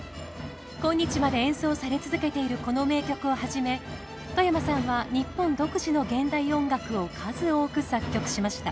今日まで演奏され続けているこの名曲をはじめ外山さんは日本独自の現代音楽を数多く作曲しました。